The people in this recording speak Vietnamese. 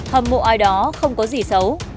hâm mộ ai đó không có gì xấu